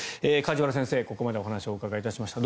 梶原先生、ここまでお話をお伺いいたしました。